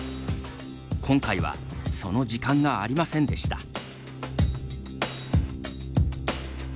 今回はその時間がありませんでした。